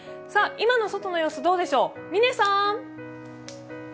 今の外の様子どうでしょう、嶺さん。